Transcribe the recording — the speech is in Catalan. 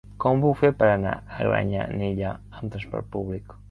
Com ho puc fer per anar a Granyanella amb trasport públic?